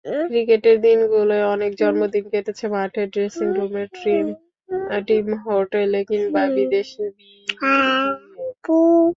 ক্রিকেটের দিনগুলোয় অনেক জন্মদিন কেটেছে মাঠে, ড্রেসিংরুমে, টিম হোটেলে কিংবা বিদেশ বিভুঁইয়ে।